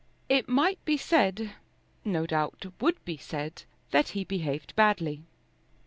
It might be said, no doubt would be said, that he behaved badly.